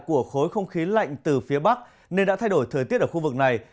của khối không khí lạnh từ phía bắc nên đã thay đổi thời tiết ở khu vực này